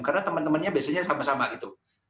karena teman temannya biasanya sama sama gitu